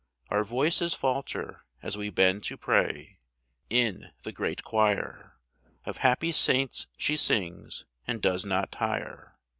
Our voices falter as we bend to pray ; In the great choir Of happy saints she sings, and does not tire.